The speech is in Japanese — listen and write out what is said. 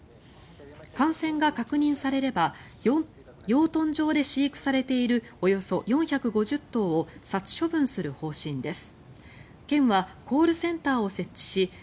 感染が確認されれば養豚場で飼育されているおよそ４５０頭を殺処分する方針です。